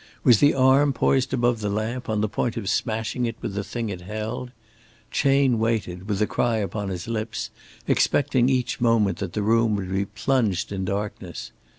Was the arm poised above the lamp, on the point of smashing it with the thing it held? Chayne waited, with a cry upon his lips, expecting each moment that the room would be plunged in darkness.